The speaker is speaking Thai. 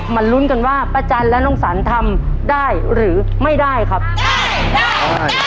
มาลุ้นกันว่าประจันทร์และลงสรรค์ธรรมได้หรือไม่ได้ครับได้